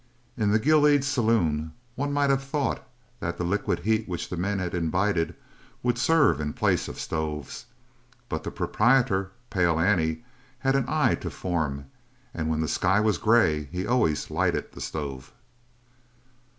In the Gilead saloon one might have thought that the liquid heat which the men imbibed would serve in place of stoves, but the proprietor, "Pale Annie," had an eye to form, and when the sky was grey he always lighted the stove.